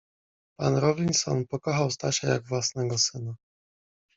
Pan Rawlison pokochał Stasia jak własnego syna.